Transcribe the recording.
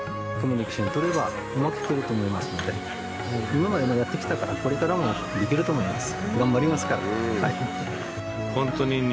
今までもやってきたからこれからもいけると思います。